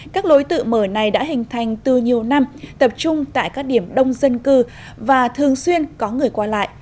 các lối tự mở này đã hình thành từ nhiều năm tập trung tại các điểm đông dân cư và thường xuyên có người qua lại